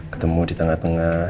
ketemu di tengah tengah